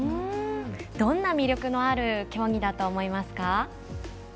どんな魅力のある競技だと思いますか？